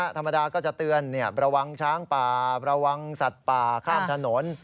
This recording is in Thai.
ธรรมดาก็จะเตือนระวังช้างป่าระวังสัตว์ป่าข้ามถนน